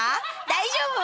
大丈夫？